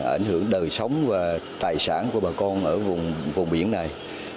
ảnh hưởng đời sống và tài sản của bà con ở vùng biển này